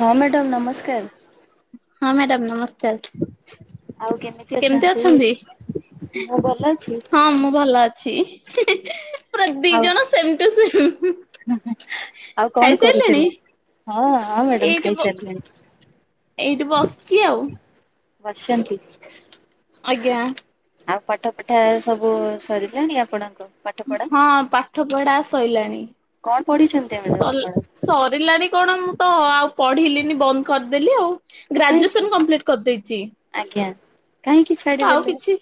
ହଁ ମ୍ୟାଡ଼ମ୍ ନମସ୍କାର୍। ହଁ ମ୍ୟାଡମ୍ ନମସ୍କାର୍। ଆଉ କେମିତି ଅଛନ୍ତି? ଛି ପୁରା ଦି ଆଉ ଜଣ ସେମ୍ ଟୁ ସେମ୍। ଆଉ କଣ କରୁଥିଲ? ଏଇଠି ବ ଏଇଠି ବସିଚି ଆଉ। ବସିଚନ୍ତି। ଆଜ୍ଞା। ଆଉ ପାଠ ପିଠା ସବୁ ସରିିଲାଣି ଆପଣଙ୍କ ପାଠ ପଢା? ହଁ ପାଠ ପଢା ସଇଲାଣି। କଣ ପଢିଛନ୍ତି ମ୍ୟାଡ଼ମ୍ ସରି ଆପଣ? ସରିଲାଣି କଣ ମୁଁ ତ ଆଉ ପଢିଲିନି ବନ୍ଦ କରିଦେଲି ଆଉ। କାହିଁକି ଗ୍ରାଜୁଏସନ୍ କମ୍ପ୍ଲିଟ୍ କରିଦେଇଚି। ଆଜ୍ଞା, କାହିଁକିି ତ ଆଉ କିଛି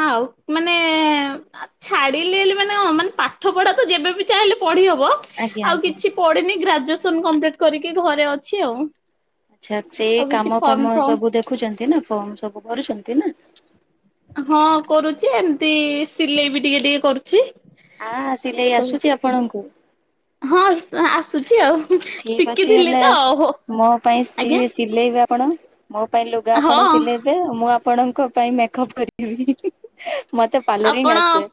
ଆ ଛାଡିଲି ଲି ମାନେ କଣ ମାନେ ପାଠ ପଢା ତ ଯେବେବି ଚାହିଁଲେ ପଢି ହବ। ଆଜ୍ଞା ଆଉ ଆଜ୍ଞା। କିଛି ପଢିନି ଗ୍ରାଜୁଏସନ୍ କମ୍ପ୍ଲିଟି କରିକି ଘରେ ଅଛି ଆଉ। ଆଛା ସେ ଆଉ କିଛି କାମ ଫର୍ମ ଫାମ ସବୁ ଫର୍ମ ଦେଖୁଚନ୍ତି ନା ଫର୍ମ ସବୁ ଭରୁଛନ୍ତି ନା। ହଁ କରୁଚି ଏମ୍ତି ସିଲେଇ ବି ଟିକେ-ଟିକେ କରୁଚି। ଆ ସିଲେଇ ଆସୁଛି ଆପଣଙ୍କୁ? ହଁ [unintelligible] ଆସୁଚି ଆଉ। ଠିକ୍ ଅଛି ଶିଖିଥିଲି ହେଲେ ତ ଓହୋ ମୋ ପାଇଁ ଆଜ୍ଞା [unintelligible] ସିଲେଇବେ ଆପଣ, ମୋ ପାଇଁ ଲୁଗା ଆପଣ ହଁ ସିଲେଇ [unintelligible] ମୁଁ ଆପଣଙ୍କ ପାଇଁ ମେକପ୍ କରିଦେବି ମତେ ପାଲରିଂ ଆପଣ ଆସେ।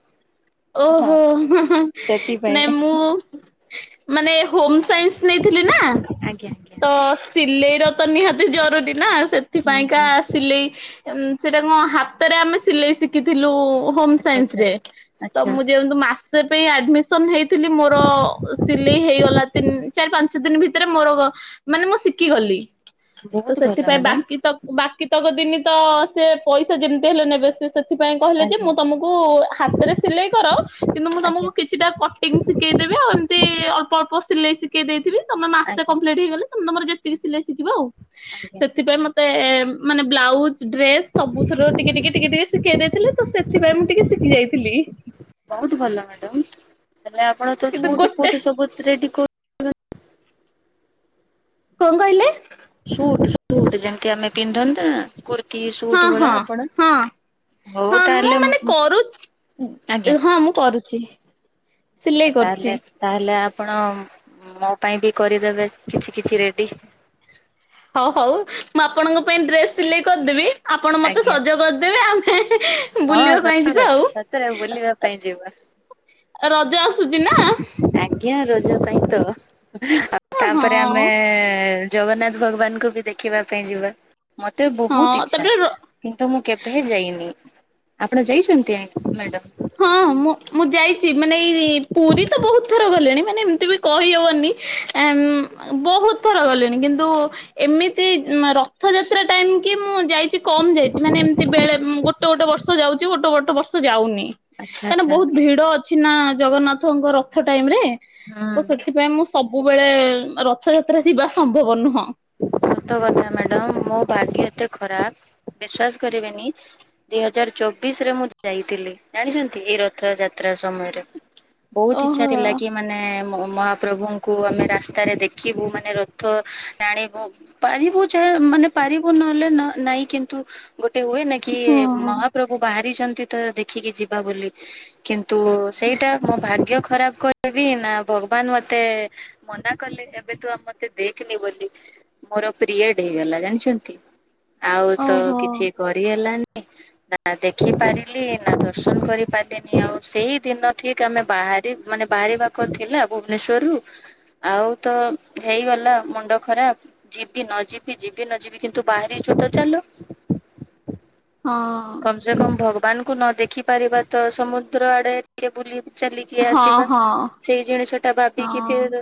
ହଁ ଓହୋ ସେଥିପାଇଁ। ନାଇଁ ମୁଁ ମାନେ ହୋମ୍ ସାଇନ୍ସ ନେଇଥିଲି ନା ଆଜ୍ଞା। ତ ସିଲେଇ ର ତ ନିହାତି ଜରୁରୀ ନା। ହୁଁ ସେଥିପାଇଁ ହୁଁ କାସ୍ ସିଲେଇ ସେଇଟା କଣ ହାତରେ ଆମେ ସିଲେଇ ଶିଖିଥିଲୁ। ହୋମ୍ ଆଚ୍ଛା ସାଇନ୍ସ ଆଚ୍ଛା ରେ। ତ ଆଚ୍ଛା ମୁଁ ଯେହେତୁ ମାସ୍ ମାସେ ପାଇଁ ଆଡ଼ମିସନ୍ ହେଇଥିଲି, ମୋର ସିଲେଇ ହେଇଗଲା ତିନି, ଚାରି, ପାଞ୍ଚ ଦିନ ଭିତରେ ମୋର ମାନେ ମୁଁ ଶିଖିଗଲି। ତ ବହୁତ ଭଲ ସେଥିପାଇଁ ମ୍ୟାଡାମ ବାକି ତ ବାକି ତକ ଦିନି ତ ସେ ପଇସା ଯେମିତି ହେଲେ ନେବେ। ସେ ସେଥିପାଇଁ କହିଲେ ଯେ ଆଜ୍ଞା। ମୁଁ ତମକୁ କୁ ହାତରେ ସିଲେଇ କର କିନ୍ତୁ ମୁଁ ଆଜ୍ଞା ତମକୁ କିଛିଟା କଟିଂ ଶିଖେଇଦେବି ଆଉ ଏମତି ଅଳ୍ପ ଅଳ୍ପ ସିଲେଇ ସି ସିକେଇ ଦେଇଥିବି, ତମେ ମାସେ ଆଜ୍ଞା କମ୍ପ୍ଲିଟ୍ ହେଇଗଲେ ତମେ ତମର ଯେତିକି ସିଲେଇ ଶିଖିବ ଆଉ। ଆଜ୍ଞା ସେଥିପାଇଁ ମ ତେ ମାନେ ବ୍ଲାଉଜ ଡ୍ରେସ୍ ସବୁଥୁରୁ ଟିକେ ଟିକେ ଟିକେ ଟିକେ ଶିଖେଇ ଦେଇଥିଲେ। ତ ସେଥିପାଇଁ ମୁଁ ଟିକେ ଶିଖି ଯାଇଥିଲି। ବହୁତ୍ ଭଲ ମ୍ୟାଡାମ୍। ହେଲେ ଆପଣ ତ କିନ୍ତୁ ସୁଟ୍ ଗୋଟେ ଫୁଟ୍ ସବୁ [unintelligible] କଣ କହିଲେ? ସୁଟ୍ ଫୁଟ୍ ଯେମତି ଆମେ ପିନ୍ଧନ୍ତା କୁର୍ତ୍ତି ହଁ ସୁଟ୍ ହଁ ଭଳିଆ ଆପଣ ହଁ ହଉ ହଁ ମୁଁ ମାନେ କରୁ ତାହେଲେ--ଆଜ୍ଞା। ହଁ ମୁଁ କରୁଛି ଆ ସିଲେଇ ତାହେଲେ କରୁଛି। ତାହେଲେ ଆପଣ ମୋ ପାଇଁ ବି କରିଦେବେ କିଛି କିଛି ରେଡି। ହଉ ହଉ ମୁଁ ଆପଣଙ୍କ ପାଇଁ ଡ୍ରେସ୍ ସିଲେଇ କରିଦେବି। ଆପଣ ମତେ ଆଜ୍ଞା। ସଜ କରିଦେବେ। ଆମେ [unintelligible] ହଁ ପାଇଁ ସତରେ ଯିବା ଆଉ ସତରେ ବୁଲିବା ପାଇଁ ଯିବା। ରଜ ଆସୁଚି ନା। ଆଜ୍ଞା ରଜ ପାଇଁ ତ। ଆ ତାପରେ ଆମେ ହଁ ଜଗନ୍ନାଥ ଭଗବାନଙ୍କୁ ବି ଦେଖିବା ପାଇଁ ଯିବା। ମତେ ହଁ ବହୁତ୍ ଇଚ୍ଛା। ତାପରେ ର କିନ୍ତୁ ମୁଁ କେଭେ ଯାଇନି। ଆପଣ ଯାଇଛନ୍ତି ମ୍ୟାଡାମ୍? ହଁ ମୁଁ ମୁଁ ଯାଇଚି। ମାନେ ଏଇ ପୁରୀ ତ ବହୁତ୍ ଥର ଗଲିଣି। ମାନେ ଏମିତି ବି କହି ହଉନି ଆମ୍ ବହୁତ୍ ଥର ଗଲିଣି। କିନ୍ତୁ ଏମିତି ରଥଯାତ୍ରା ଟାଇମ୍ କି ମୁଁ ଯାଇଚି କମ୍ ଯାଇଚି। ମାନେ ଏମିତି ବେଳେ ଗୋ ଗୋଟେ ଗୋଟେ ବର୍ଷ ଯାଉଚି ଗୋଟ ଗୋଟ୍ ଟ ବର୍ଷ ଯାଉନି। ଆଚ୍ଛା କାହିଁକନା ଆଚ୍ଛା ବହୁତ ଭିଡ ଅଛି ନା ଜଗନ୍ନାଥଙ୍କ ରଥ ଟାଇମ୍ ରେ। ତ ହୁଁ। ସେଥିପାଇଁ ମୁଁ ସବୁବେଳେ ରଥଯାତ୍ରା ଯିବା ସମ୍ଭବ ନୁହଁ। ସତ କଥା ମ୍ୟାଡାମ୍ ମୋ ଭାଗ୍ୟ ଏତେ ଖରାପ୍ ବିଶ୍ଵାସ କରିବେନି ଦି ହଜାର ଚବିଶ ରେ ମୁଁ ଯାଇଥିଲି ଜାଣିଛନ୍ତି ଏଇ ରଥଯାତ୍ରା ସମୟରେ। ବହୁତ ଇଚ୍ଛା ଓହୋ ଥିଲା କି ମାନେ ମ ମହାପ୍ରଭୁଙ୍କୁ ଆମେ ରାସ୍ତାରେ ଦେଖିବୁ ମାନେ ରଥ ଟାଣିବୁ। ପାରିବୁ ଚା ମାନେ ପାରିବୁ ନହେଲେ ନାଇଁ କିନ୍ତୁ ଗୋଟେ ହୁଏ ନାଇଁ କି ହଁ ମହାପ୍ରଭୁ ବାହାରିଛନ୍ତି ତ ଦେଖିକି ଯିବା ବୋଲି। କିନ୍ତୁ ସେଇଟା ମୋ ଭାଗ୍ୟ ଖରାପ୍ କହିବି ନା ଭଗବାନ ମତେ ମନା କଲେ ଏବେ ତୁ ଆ ମତେ ଦେଖେନି ବୋଲି। ମୋର ପିରିଏଡ୍ ହେଇଗଲା ଜାଣିଛନ୍ତି। ଆଉ ତ ଓହୋ କିଛି କରି ହେଲାନି। ନା ଦେଖି ପାରିଲି ନା ଦର୍ଶନ କରିପାରିଲିନି। ଆଉ ସେଇ ଦିନ ଠି ଆମେ ବାହାରି ମାନେ ବାହାରିବାକୁ ଥିଲା ଭୁବନେଶ୍ଵରରୁୁ ଆଉ ତ ହେଇଗଲା ମୁଣ୍ଡ ଖରାପ୍। ଯିବି ନ ଯିବି ଯିବି ନ ଯିବି କିନ୍ତୁ ବାହାରିଚୁ ତ ଚାଲ। ହଁ। କମ୍ ସେ କମ୍ ଭଗବାନ କୁ ନ ଦେଖି ପାରିବା ତ ସମୁଦ୍ର ଆଡେ ଟିକେ ବୁଲି ଚାଲିକି ହଁ ଆସିବା ହଁ ସେଇ ଜିଣିଷ ଟା ଭାବିକି ହଁ। ଫିର୍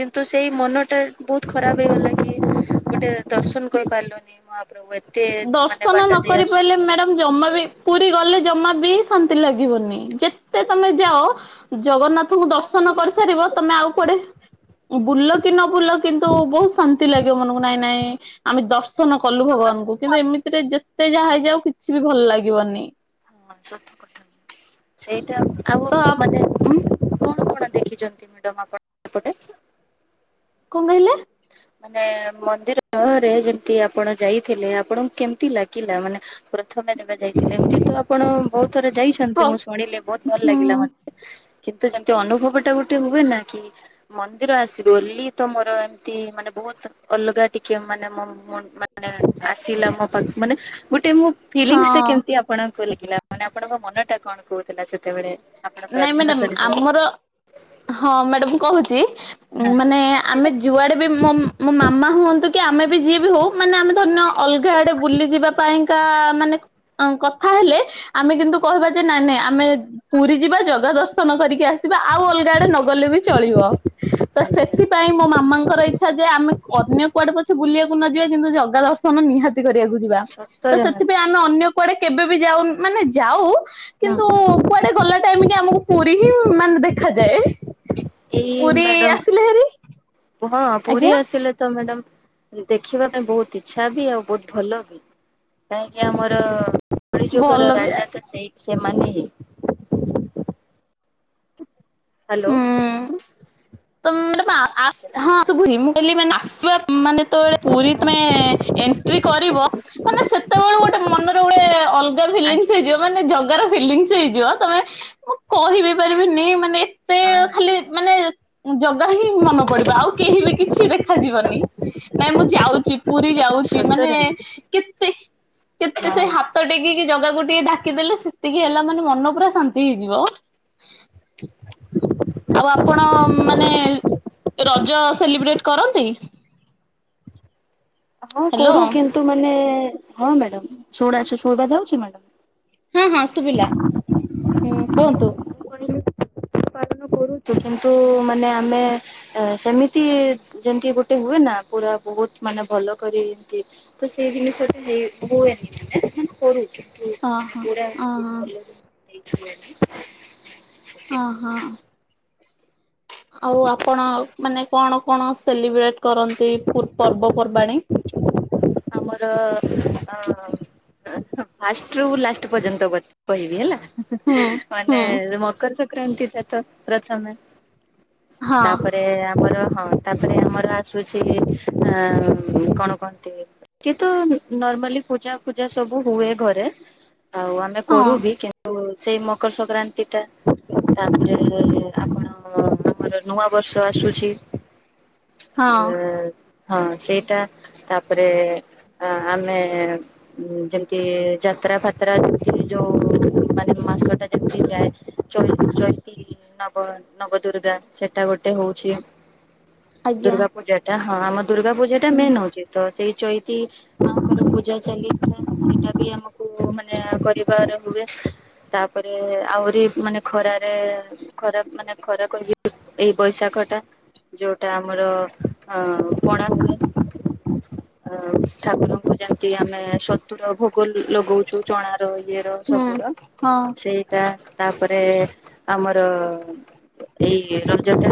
କିନ୍ତୁ ସେଇ ମନ ଟା ବହୁତ ଖରାପ ହେଇଗଲା କି ଗୋଟେ ଦର୍ଶନ କରି ପାରିଲୁନି। [unintelligible] ଦର୍ଶନ ନ କରି ପାରିଲେ ମ୍ୟାଡାମ ଜମା ବି ପୁରୀ ଗଲେ ଜମା ବି ଶାନ୍ତି ଲାଗିବନି ଯେତେ ତମେ ଯାଅ ଜଗନ୍ନାଥ ନାଥ ଙ୍କୁ ଦର୍ଶନ କରିସାରିବ ତମେ ଆଉ କୁଆଡେ ବୁଲ କି ନ ବୁଲ କିନ୍ତୁ ବହୁତ ଶାନ୍ତି ଲାଗିବ ମନକୁ ନାଇଁ ନାଇଁ ଆମେ ଦର୍ଶନ କଲୁ ଭଗବାନଙ୍କୁ କିନ୍ତୁ ଏମିତିରେ ଯେତେ ଯାହା ହେଇଯାଉ କିଛି ବି ଭଲ ଲାଗିବନି। ହଁ ସତ କଥା ସେଇଟା ଆଉ ତ ମାନେ ଉଁ କଣ କଣ ଦେଖିଚନ୍ତି ମ୍ୟାଡ଼ମ୍ ଆପଣ? ସେପଟେ? କଣ କହିଲେ? ମାନେ ମନ୍ଦିର ମୁହଁ ରେ ଯେମିତି ଆପଣ ଯାଇଥିଲେ ଆପଣଙ୍କୁ କେମିତି ଲାଗିଲା ମାନେ ପ୍ରଥମେ ଯେବେ ଯାଇଥିଲେ, ଏମତି ତ ଆପଣ ବହୁତ ଥର ଯାଇଛନ୍ତି ପ୍ର ମୁଁ ଶୁଣିଲି ବହୁତ ଭଲ ହୁଁ ଲାଗିଲା ମତେ। କିନ୍ତୁ ଯେମିତି ଅନୁଭବ ଟା ଗୋଟେ ହୁଏ ନା କି ମନ୍ଦିର ଆସିଲୁ ବୋଲି ତ ମୋର ଏମିତି ମାନେ ବହୁତ ଅଲଗା ଟିକେ ମାନେ ମୋ ମନ ମାନେ ଆସିଲା ମୋ ପାଖକୁ ମାନେ ଗୋଟେ ମୁଁ ଫିଲିଙ୍ଗ୍ସ ଟା ହଁ କେମିତି ଆପଣଙ୍କୁ ଲାଗିଲା ମାନେ ଆପଣଙ୍କ ମନ ଟା କଣ କହୁଥିଲା ସେତେବେଳେ? ଆପଣ ନାଇଁ ପ୍ରଥମ ମ୍ୟାଡାମ୍ ଥର ଯାଇଥିଲେ? ଆମର ହଁ ମ୍ୟାଡାମ୍ କହୁଚି ହଁ ମାନେ ଆମେ ଯୁଆଡେ ବି ମୋ ମୋ ମାମା ହୁଅନ୍ତୁ କି ଆମେ ଆ ବି ଯିଏ ବି ହଉ ମାନେ ଆମେ ଧରି ନିଅ ଅଲଗା ଆଡେ ବୁଲିଯିବା ପାଇଁକା ମାନେ କଥା ହେଲେ, ଆମେ କିନ୍ତୁ କହିବା ଯେ, ନାଇଁ ନାଇଁ ଆମେ ପୁରୀ ଯିବା ଜଗା ଦର୍ଶନ କରିକି ଆସ୍ ସିବା ଆଉ ଅଲଗା ଆଡେ ନଗଲେ ବି ଚଳିବ। ତ ଆଜ୍ଞା ସେଥିପାଇଁ ମୋ ମାମାଙ୍କର ଇଚ୍ଛା ଯେ ଆମେ ଅନ୍ୟ କୁଆଡେ ପଛେ ବୁଲିଆକୁ ନ ଯିବା କିନ୍ତୁ ଜଗା ଦର୍ଶନ ନିହାତି କରିବାକୁ ଯିବା ତ ସତରେ ମ୍ୟାମ୍ ସେଥିପାଇଁ ଆମ୍ ଆମେ ଅନ୍ୟ କୁଆଡେ କେବେ ବି ଯାଉନ ମାନେ ଯାଉ ହୁଁ କିନ୍ତୁ ହୁଁ। କୁଆଡେ ଗଲା ଟାଇମ୍ କି ଆମକୁ ପୁରୀ ହିଁ ମାନେ ଦେଖାଯାଏ। ଏଇ ପୁରୀ ମ୍ୟାଡାମ ଆସିଲେ ହେରି ହଁ ପୁରୀ ଆଜ୍ଞା ଆସିଲେ ତ ମ୍ୟାଡ଼ାମ୍ ଦେଖିବା ପାଇଁ ବହୁତ ଇଛା ବି ଆଉ ବହୁତ ଭଲ ବି। କାହିଁକି ଆମର କଳିଯୁଗର ଭଲ ବି ରାଜା ତ ସେଇ ସେମାନେ ହିଁ। ହ୍ୟାଲୋ। ହୁଁ ତ ମ୍ୟାଡ଼ାମ୍ ଆ ଆସ୍ ହଁ ସେଥିପାଇଁ ଶୁଭୁଚି ମୁଁ କହିଲି ମାନେ ଆସିବା ମାନେ ଯେତେଳେ ପୁରୀ ତମେ ହଁ ଏଣ୍ଟ୍ରି କରିବ ମାନେ ସେତେବେଳ ଗୋଟେ ମନରେ ଗୋଟେ ଅଲଗା ଫିଲିଙ୍ଗ୍ସ ଆଜ୍ଞା। ହେଇଯିବ ମାନେ ଜଗାର ଫିଲିଙ୍ଗ୍ସ ହେଇଯିବ। ତମେ ମୁଁ କହିହିବି ପାରିବିନି ମାନେ ମତେ ହଁ ଖାଲି ମାନେ ଜଗା ହିଁ ମନ ପଡିବ ଆଉ, କେହି ବି କିଛି ଦେଖାଯିବନି? ନାଇଁ ମୁଁ ଯାଉଚି ପୁରୀ ଯାଉଚି ମାନେ ସତରେ କେତେ କେତେ ସେ ହଁ। ହାତ୍ ହାତ ଟେକିକି ଜାଗାକୁ ଟିକେ ଡାକିଦେଲେ ସେତିକି ହେଲା ମାନେ ମନ ପୁରା ଶାନ୍ତି ହେଇଯିବ। ଆଉ ଆପଣ ମାନେ ରଜ ସେଲିବ୍ରେଟ୍ କରନ୍ତି? ହଁ ହ୍ୟାଲୋ କରୁ କିନ୍ତୁ ମାନେ ହଁ ମ୍ୟାଡ଼ାମ୍ ଶୁଣା ଶୁଭା ଯାଉଚି ମ୍ୟାଡାମ୍? ହଁ ହଁ ଶୁଭିଲା ହୁଁ କୁହନ୍ତୁ। [unintelligible] ପାଳନ କରୁଚୁ କିନ୍ତୁ ମାନେ ଆମେ ଏ ସେମିତି ଯେମିତି ଗୋଟେ ହୁଏ ନା ପୁରା ବହୁତ ମାନେ ଭଲ କରିକି ତ ସେଇ ଦିନିଷ ଟା ହେ ହୁଏନି ମାନେ ଆମେ କରୁ କିନ୍ତୁ ମାନେ ଓହୋ ପୁରା ଓହୋ [unintelligible] ହଁ ହଁ। ଆଉ ଆପଣ ମାନେ କଣ କଣ ସେଲିବ୍ରେଟ୍ କରନ୍ତି ପୁ ପର୍ବପର୍ବାଣୀ? ଆମର ଅଁ ଫାଷ୍ଟ ରୁ ଲାଷ୍ଟ ପର୍ଯ୍ୟନ୍ତ କ କହିବି ହେଲା। ହୁଁ ମାନେ ହୁଁ ଯୋଉ ମକର ସଂକ୍ରାନ୍ତି ଟା ତ ପ୍ରଥମେ। ହଁ ତାପରେ ଆମର ହଁ। ତାପରେ ଆମର ଆସୁଛି ଅଁ କଣ କହନ୍ତି? କିନ୍ତୁ ନର୍ମାଲି ପୂଜା ଫୂଜା ସବୁ ହୁଏ ଘରେ ଆଉ ଆମେ ହଁ କରୁ ବି କି ଓ ସେଇ ମକର ସଂକ୍ରାନ୍ତି ଟା ତାପରେ-ଅ ଆପଣ ଆମର ନୂଆ ବର୍ଷ ଆସୁଛି। ହଁ ଉ ହଁ ସେଇଟା ତାପରେ ଏ ଆମେ ଯେମିତି ଯାତ୍ରା ଫାତ୍ରା ଏଇ ଯୋଉ ମାନେ ମାସଟା ଯେମିତି ଯାଏ। ଚଚଇତି ନବ ନବ ଦୁର୍ଗା ସେଟା ଗୋଟେ ହଉଚି। ଆଜ୍ଞା। ଦୁର୍ଗା ପୂଜା ଟା ହଁ ଆମ ଦୁର୍ଗା ପୂଜାଟା ହୁଁ ମେନ୍ ହଉଚି ତ ସେଇ ଚଇ ଚି ମାଙ୍କର ପୂଜା ଚାହିଥାଏ ସେଇଟା ବି ଆମକୁ ମାନେ କରିବାରେ ହୁଏ ତାପରେ ଆହୁରି ମାନେ ଖରାରେ ଖରା ମାନେ ଖରା କୁ ଯିବୁ ଏଇ ବୈଶାଖଟା। ଯୋଉଟା ଆମର ଅ ପଣା। [unintelligible] ହ ଠାକୁରଙ୍କୁ ଯେମିତି ଆମେ ତୁର ଭୋଗ ଲଗଉଛୁ ଚଣାର ଇଏର ହୁଁ ସବୁର ହଁ ସେ ତା ତାପରେ ଆମର ଏଇ ରଜଟା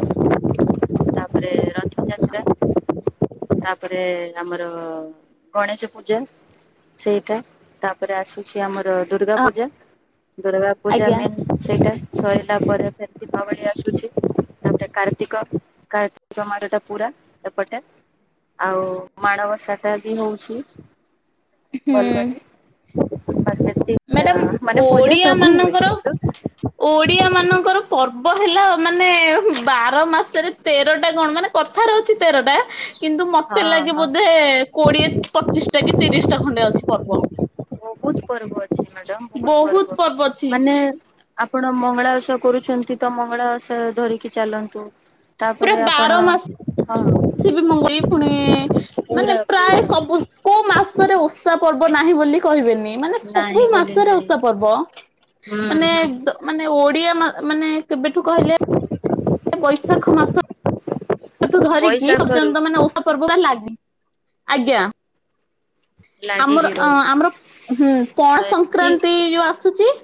ତାପରେ ରଥଯାତ୍ରା ତାପରେ ଆମର ର ଗଣେଶ ପୂଜା ସେଇଟା ତା ତାପରେ ଆସୁଛି ଆମର ଦୁର୍ଗା ପୂଜା ଦୁର୍ଗା ପୂଜା ଆଜ୍ଞା। ମେନ୍। ସେଇଟା ସରିଲା ପରେ ଫେରେ ଦୀପାବଳି ଆସୁଛି ତାପରେ କାର୍ତ୍ତିକ କା ର୍ତ୍ତିକ ମାରଟା ପୁରା ଏପଟେ ଆଉ ମାଣବସାଟା ବି ହଉଛି। ହୁଁ। ଭଲ କରି ବା ମ୍ୟାଡ଼ାମ୍ ସେତିକି ମାନେ ପୂଜା ଓଡିଆ ସବୁ ହୁଏ ମାନଙ୍କର କିନ୍ତୁ ଓଡିଆ ମାନଙ୍କର ପର୍ବ ହେଲା ମାନେ ବାର ମାସରେ ତେରଟା କଣ ମାନେ କଥାରେ ଅଛି ତେରଟା କିନ୍ତୁ ହଁ ମତେ ଲାଗେ ହଁ ବୋଧେ କୋଡିଏ ପଚିଶିଟା କି ତିରିଶଟା ଖଣ୍ଡେ ଅଛି ପର୍ବ। ବୋହୁତୁ ପର୍ବ ଅଛି ମ୍ୟାଡ଼ାମ୍ ବୋହୁତୁ ବହୁତ ପର୍ବ ଅଛି ମାନେ ଆପଣ ମଙ୍ଗଳା ଓଷା କରୁଛନ୍ତି ତ ମଙ୍ଗଳା ଓଷା ଧରିକି ଚାଲନ୍ତୁ। ତାପରେ ଆପଣ ହଁ। ସିଏ ବି ମଙ୍ଗୁଳି ପୁଣି ମାନେ ପୁରା ପୁରା ପ୍ରାୟ ସବୁ କୋଉ ମାସରେ ଓଷା ପର୍ବ ନାହିଁ ବୋଲି କହିବେନି। ମାନେ ନାହିଁ ସବୁ ବୋଲି ମାସରେ ନାହିଁ ଓଷା ପର୍ବ ହୁଁ ମାନେ ହୁଁ ମାନେ ଓଡିଆ ମା ମାନେ କେବେଠୁ କହିଲେ ବୈଶାଖ ମାସଠୁ ଧରିକି ବୈଶାଖରୁ ପର୍ଯ୍ୟନ୍ତ ମାନେ ଓଷା ପର୍ବ ପୁରା ଲାଗି ଆଜ୍ଞା। ଆମର ଲାଗିକି ଅ ରହିଛି ଆମର ହୁଁ ପଣା ଆଉ ଏତି ସଂକ୍ରାନ୍ତି ଯୋଉ ଆସୁଚି।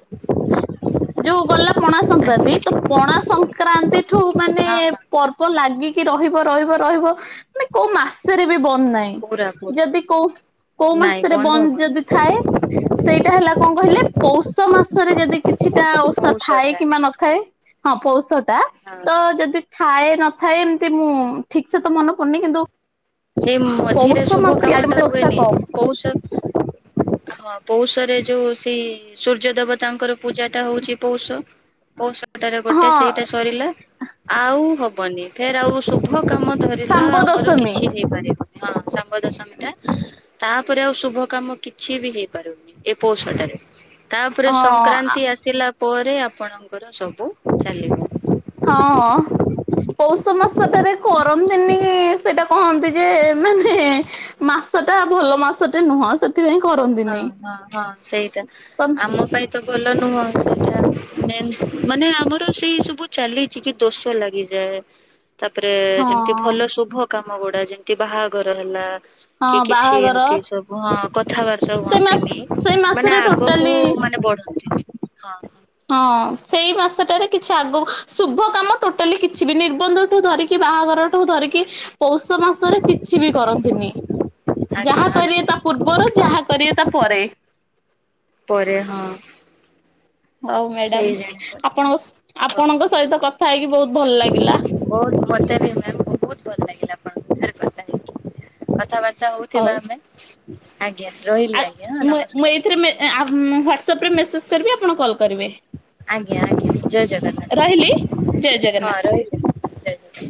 ଯୋଉ ଗଲା ପଣା ସଂକ୍ରାନ୍ତି ତ ଆଜ୍ଞା ପଣା ସଂକ୍ରାନ୍ତି ଠୁ ମାନେ ହଁ ହଁ ପର୍ବ ଲାଗିକି ରହିବ ରହିବ ରହିବ ମାନେ କୋଉ ମାସେରେ ବି ବନ୍ଦ ନାହିଁ। ପୁରା ପୁରା ଯଦି କୋଉ କୋଉ ନାଇଁ ମାସରେ ବନ୍ଦ ହବନି ଯଦି ଥାଏ। ସେଇଟା ହେଲା କଣ କହିଲେ ପୌଷ ମାସରେ ଯଦି କିଛିଟା ଓଷା ଥାଏ ପୌଷଟା କିମ୍ବା ନ ଥାଏ ହଁ ପୌଷ ଟା ହଁ ତ ଯଦି ଥାଏ ନଥାଏ ଏମିତି ମୁଁ ଠିକ ସେ ତ ମନେ ପଡୁନି କିନ୍ତୁ ସେ ମଝିରେ ପୌଷ ଶୁଭ ମାସ କାମ ଟା ଓଷା ହୁଏନି କମ କଉଷ ହଁ ପୌଷରେ ଯୋଉ ସେଇ ସୂର୍ଯ୍ୟ ଦେବତାଙ୍କର ପୂଜା ଟା ହଉଛି ପୌଷ ପୌଷଟାରେ ହଁ ଗୋଟେ ସେଇଟା ସରିଲା। ଆଉ ହବନି ଫେର ଆଉ ଶୁଭ କାମ ଧରିଲ ଶାମ୍ବ ଆମର ଦଶମୀ କିଛି ହେଇପାରିବନି ହଁ ଶାମ୍ବ ଦଶମୀ ଟା। ତାପରେ ଆଉ ଶୁଭ କାମ କିଛି ବି ହେଇପାରୁନି ଏ ପୌଷଟାରେ। ତାପରେ ହଁ ସଂକ୍ରାନ୍ତି ଆସିଲା ପରେ ଆପଣଙ୍କର ସବୁ ଚାଲିବ। ହଁ ହଁ ପୌଷ ମାସଟାରେ କରନ୍ତିନି ସେଇଟା କହନ୍ତି ଯେ ମାନେ ମାସଟେ ଭଲ ମାସଟେ ନୁହଁ ସେ ସେଥିପାଇଁ କରନ୍ତି ହଁ ହଁ ହଁ ସେଇଟା ଆମ ପାଇଁ ତ ଭଲ ନୁହଁ ସେଟା ମାନେ ଆମର ସେଇ ସବୁ ଚାଲିଛି କି ଦୋଷ ଲାଗିଯାଏ। ତାପରେ ହଁ ଯେମତି ଭଲ ଶୁଭ କାମ ଗୁଡା ଯେମିତି ବାହାଘର ହେଲା। ହଁ କି କିଛି ବାହାଘର ଏମତି ସବୁ ହଁ କଥାବା ସେ ମାସ କୁହନ୍ତିନି ସେଇ ମାନେ ମାସରେ ଆଗକୁ ଟୋଟାଲି ମାନେ ବଢନ୍ତିିନି ହଁ ହଁ। ହଁ ସେଇ ମାସଟାରେ କିଛି ଆଗ ଶୁଭ କାମ ଟୋଟାଲି କିଛି ବି ନିର୍ବନ୍ଧଠୁ ଧରିକି କି ବାହାଘରଠୁ ଧରିକି ପୌଷ ମାସରେ କିଛି ବି କରନ୍ତିନି ଆଜ୍ଞା ଯାହା କରିବେ ଆଜ୍ଞା ତ ପୂର୍ବରୁ ଯାହା କରିବ ତା ପରେ। ପରେ ହଁ। ହଉ ସେଇ ମ୍ୟାଡାମ ଜିନିଷ ଆପଣଙ୍କ ଆପଣଙ୍କ ସହିତ କଥା ହେଇକି ବହୁତ ଭଲ ଲାଗିଲା। ବହୁତ ମତେ ବି ମେମ ବହୁତ ଭଲ ଲାଗିଲା ଆପଣଙ୍କ ସାଙ୍ଗରେ କଥା ହେଇ କି କଥା ବାର୍ତ୍ତା ହଉ ହଉଥିବା ଆମେ ଆଜ୍ଞା ରହିଲି ଆଜ୍ଞା ହଁ ନମସ୍କାର। ଆଉ ମୁ ହ୍ୱାଟ୍ସଆପରେ ମେସେଜ୍ କରିବି ଆପଣ କଲ୍ କରିବେ। ଆଜ୍ଞା ଆଜ୍ଞା ଜୟ ଜଗନ୍ନାଥ ରହିଲି ଜୟ ହଁ ଜଗନ୍ନାଥ। ରହିଲି। ଜୟ ଜଗନ୍ନାଥ।